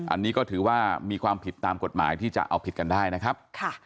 อันนี้ก็ถือว่ามีความผิดตามกฎหมายที่จะเอาผิดกันได้นะครับ